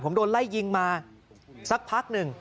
ผมโดนไล่ยิงมาสักพักหนึ่ง